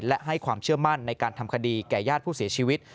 และให้ความเชื่อมั่นในการทำคดีแก่ญาติผู้เสียชีวิต